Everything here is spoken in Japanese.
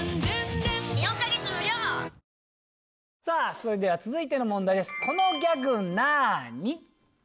それでは続いての問題です。